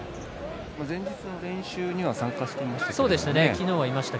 前日の練習には参加していました。